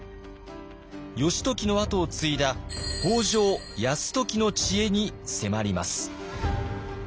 義時の跡を継いだ北条泰時の知恵に迫ります。